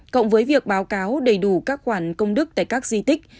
cộng với việc báo cáo đầy đủ các khoản công đức tại các di tích